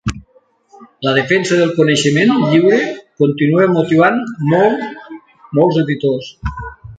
La defensa del coneixement lliure continua motivant molts editors.